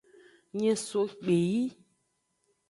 Nyin so kpeyi.